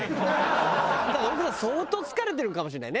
だから奥さん相当疲れてるかもしれないね。